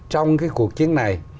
trong cái cuộc chiến này